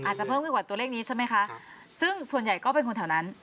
อาจจะเพิ่มขึ้นกว่าตัวเลขนี้ใช่ไหมคะซึ่งส่วนใหญ่ก็เป็นคนแถวนั้น